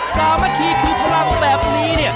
สามัคคีทือพลังแบบนี้